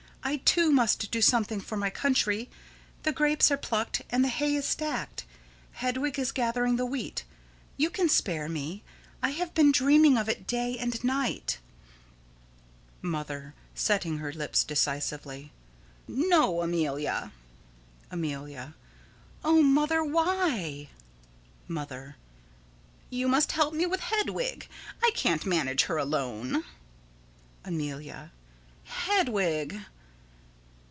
I, too, must do something for my country. The grapes are plucked, and the hay is stacked. Hedwig is gathering the wheat. You can spare me. I have been dreaming of it night and day. Mother: [Setting her lips decisively.] No, Amelia! Amelia: O Mother, why? Mother: You must help me with Hedwig. I can't manage her alone. Amelia: Hedwig!